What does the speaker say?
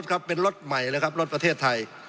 ครับเป็นรถใหม่เลยครับรถประเทศไทย